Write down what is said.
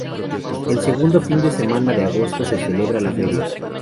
El segundo fin de semana de agosto se celebra la Feria.